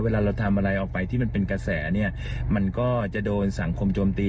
เวลาเราทำอะไรออกไปที่มันเป็นกระแสเนี่ยมันก็จะโดนสังคมโจมตี